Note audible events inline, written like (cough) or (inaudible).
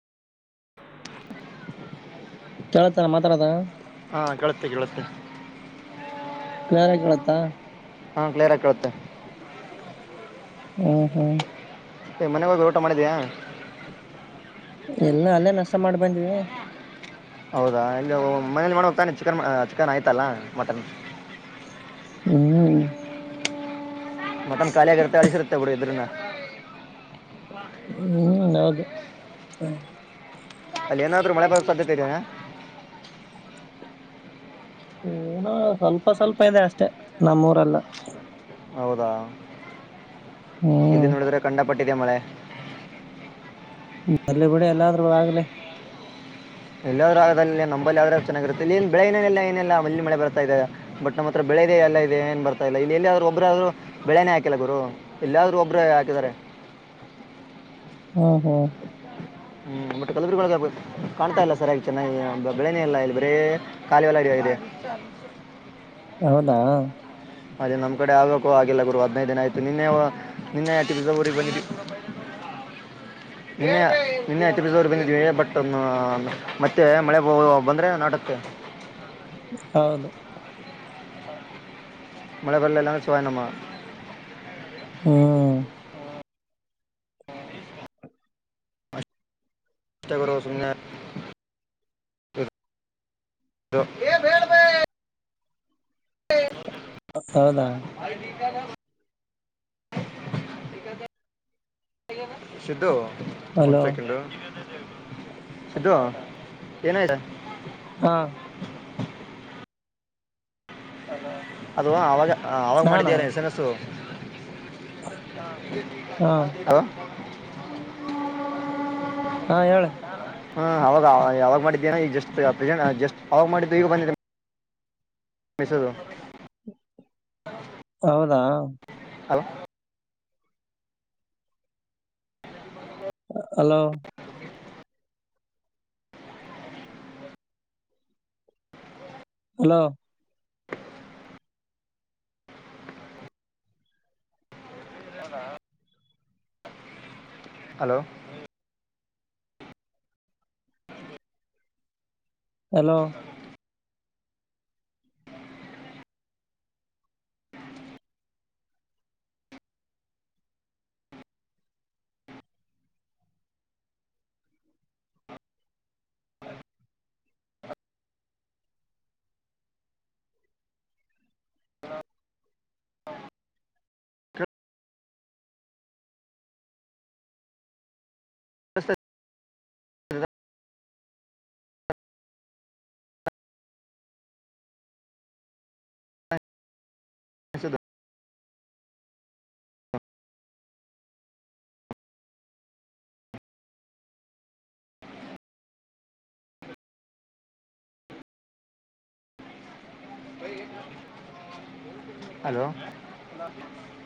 ಕೇಳತಾನ ಮಾತಾಡದ ಹಾಂ ಕೇಳುತ್ತೆ ಕೇಳುತ್ತೆ ಕ್ಲಿಯರಗಿ ಕೇಳತ್ತಾ ಹಾ ಕ್ಲಿಯರ್ ಆಗ್ ಕೇಳುತ್ತೆ. ಹ್ಮ ಹ್ಮ್ ಏ ಮನೆಗ್ ಹೋಗ್ ಊಟ ಮಾಡಿದ್ಯಾ. ಎಲ್ಲ ಅಲ್ಲೇ ನಷ್ಟ ಮಾಡ್ ಬಂದ್ವಿ. ಹೌದಾ ಇಲ್ಲಿ ಮನೇಲಿ ಮಾಡ ತಾನೆ ಚಿಕನ್ ಚಿಕನ್ ಆಯ್ತಲ್ಲ ಮಟನ್. ಹ್ಮ್ ಮಟನ್ ಕಾಲಿಗರ್ತೆ ಅಳ್ಸಿರುತ್ತೆ ಬಿಡು ಇದ್ರುನ್ನ. ಹ್ಮ್ ಹೌದು ಹ. ಅಲ್ಲಿ ಏನಾದ್ರರು ಮಳೆ ಬರೊ ಸಾಧ್ಯತೆ ಇದೇನ. ಏನ ಸ್ವಲ್ಪ ಸ್ವಲ್ಪ ಇದೆ ಅಷ್ಟೇ ನಮ್ಮೂರೆಲ್ಲ. ಹೌದಾ ಇಲ್ಲಿ ಹ್ಮ್ ನೋಡಿದ್ರೆ ಕಂಡಪಟ್ಟಿದೆ ಮಳೆ. ಬರ್ಲಿ ಬಿಡಿ ಎಲ್ಲಾದ್ರೂ ಆಗ್ಲೆ. ಎಲ್ಲಾದ್ರೂ ಆಗದ ನಂಬಲ್ಲಿ ಯ್ರೂ ಚೆನ್ನಾಗಿರುತ್ತ ಇ ಏ ಬೆಳಿನೆಲ್ಲ ಏನಿಲ್ಲ ಮಲ್ಲಿ ಮಳೆ ಬರ್ತಾ ಇದೆ ಬಟ್ ನಮ್ಮ ಹತ್ರ ಬೆಳ್ ಬೆಳೆ ಇದೆ ಎಲ್ಲ ಇದೆ ಏನ್ ಬರ್ತಾ ಇಲ್ಲ ಇಲ್ಲಿ ಎಲ್ಲಿದ್ರೂ ಒಬ್ಬ್ರ ಆದ್ರರು ಬೆಳೆನೇ ಹಾಕಿಲ್ಲ ಗುರು ಇಲ್ಲಾದ್ರು ಒಬ್ಬರು ಹಾಕಿದಿದರೆ. (unintelligible) ಹ ಹ್ಮ್ ಮಟ್ಟ ಕಲಬುರ್ಗಿ ಕಾಣ್ತಾ ಇಲ್ಲ ಸರ್ ಈಗ್ ಚೆನ್ನಾಗಿ ಬೆಳೆನೇ ಇಲ್ಲ ಇಲ್ಲಿ ಬರೇ ಖಾಲಿ ಹೊಲ ಇದೆ. (unintelligible) ಹೌದಾ ಅದೇ ನಮ್ ಕಡೆ ಆಗ್ಬೇಕು ಆಗಿಲ್ಲ ಗುರು ಹದ್ನೈದು ದಿನ ಆಯ್ತು ನಿನ್ನೆ ನಿನ್ನೆತಿರ್ಗ ಊರಿಗೆ ಬನ್ನಿರಿ. (unintelligible) ನಿನ್ನೆ ನಿನ್ನೆ ಹತ್ತಿ ಬೀಸೋರ್ ಬಂದಿದ್ವಿ ಬಟ್ ಮತ್ತೆ ಮಳೆ ಬಾ ಬಂದ್ರೆ ನಾಟುತ್ತೆ. (unintelligible) ಹೌದು ಮಳೆ ಬರಲ್ಲ ಅಂದ್ ಶಿವಾಯ ನಮಃ. ಹ್ಮ ತಗೋರೋಸ್ ಮುನ್ಯ. ದು ಏ ಬೆಳ್ ಬೆ. (unintelligible) ಹೌದಾ (unintelligible) ಸಿದ್ದು ಒಂದ್ ಹಲೋ ಸೆಕೆಂಡು. ಸಿದ್ದು ಏನಯ್ತ. ಹಾ ಅದು ಅವಾಗ ಆವಾಗ್ ನಾನಾ ಮಾಡಿದ್ಯಲ್ಲ ಎಸ್ ಎಮ್ ಎಸ್ಸು. ಹಾ ಹಲೋ. ಹಾ ಹೇಳ. ಹ್ಮ ಅವಾಗ್ ಅವಾಗ್ ಮಾಡಿದ್ದೇನ ಈಗ ಜಸ್ಟ್ ಪ್ರೆಸೆಂಟ್ ಜಸ್ಟ್ ಅವಾಗ್ ಮಾಡಿದ್ದು ಈಗ ಬಂದಿದೆ. ಮೆಸ್ಸೇಜು ಹೌದಾ ಹಲ್ ಹಲೋ ಹಲೋ ಹಲೋ ಹಲೋ ಹ (unintelligible) ಕೇಳ್ಸ್ ತ (unintelligible) ಸದ್ ಹಲೋ